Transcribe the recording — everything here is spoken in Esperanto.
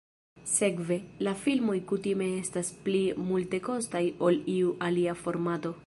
Sekve, la filmoj kutime estas pli multekostaj ol iu alia formato.